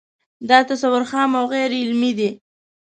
دا تصور خام او غیر علمي دی